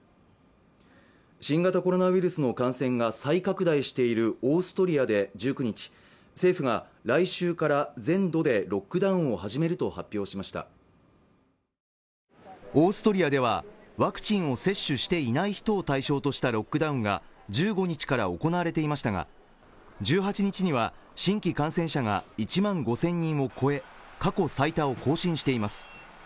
新型コロナウイルスの感染が再拡大しているオーストリアで１９日政府が来週から全土でロックダウンを始めると発表しましたオーストリアではワクチンを接種していない人を対象としたロックダウンが１５日から行われていましたが１８日には新規感染者が１万５０００人を超え過去最多を更新しています